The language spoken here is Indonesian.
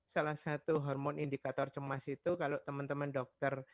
salah satu hormon indikator cemas itu kalau teman teman dokter